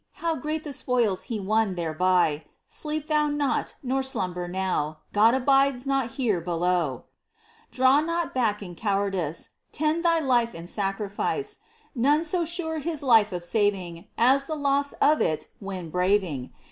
How great the spoils He won thereby ! Sleep thou not nor slumber now — God abides not here below ! 36 MINOR WORKS OF ST. TERESA. Draw not back in cowardice ; Tend thy life in sacrifice ; None so sure his life of saving As the loss of it when braving.